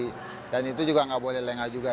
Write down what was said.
oke jadi itu juga nggak boleh lengah juga sih